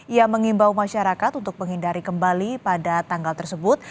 ia mengimbau masyarakat untuk menghindari kembali pada tanggal tersebut